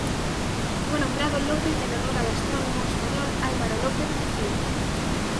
Fue nombrado Lopez en honor al astrónomo español Álvaro López-García.